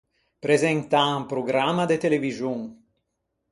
Presentâ un programma de televixon.